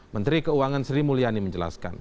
menteri keuangan sri mulyani menjelaskan